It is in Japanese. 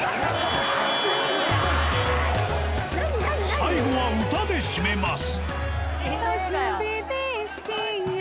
最後は歌で締めます。